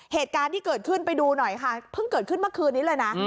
เหตุการณ์ที่เกิดขึ้นไปดูหน่อยค่ะเพิ่งเกิดขึ้นเมื่อคืนนี้เลยนะ